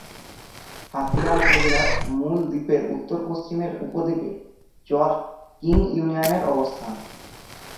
হাতিয়া উপজেলার মূল দ্বীপের উত্তর-পশ্চিমের উপদ্বীপে চর কিং ইউনিয়নের অবস্থান।